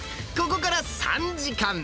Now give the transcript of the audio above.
ここから３時間！